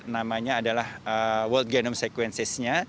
namanya adalah world genome sequencesnya